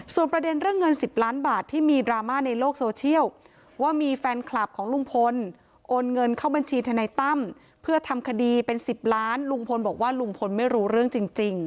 ส่วนประเด็นเรื่องเงิน๑๐ล้านบาทที่มีดราม่าในโลกโซเชียลว่ามีแฟนคลับของลุงพลโอนเงินเข้าบัญชีทนายตั้มเพื่อทำคดีเป็น๑๐ล้านลุงพลบอกว่าลุงพลไม่รู้เรื่องจริง